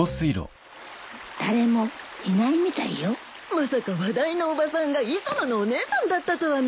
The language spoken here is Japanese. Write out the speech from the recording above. まさか話題のおばさんが磯野のお姉さんだったとはな。